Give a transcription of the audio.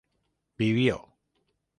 vivió